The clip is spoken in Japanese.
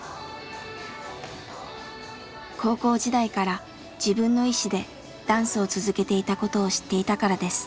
高校時代から自分の意思でダンスを続けていたことを知っていたからです。